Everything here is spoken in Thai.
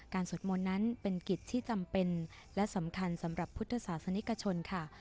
สวดมนต์นั้นเป็นกิจที่จำเป็นและสำคัญสำหรับพุทธศาสนิกชนค่ะ